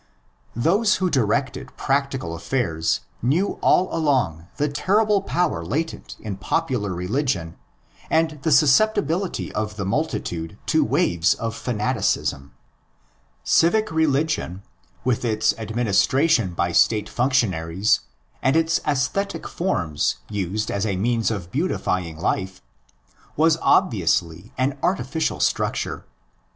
Those who directed practical affairs knew all along the terrible power latent in popular religion and the susceptibility of the multitude to waves of fanaticism. Civic religion, with its administration by State function aries and its esthetic forms used as a means of beautify ing life, was obviously an artificial structure.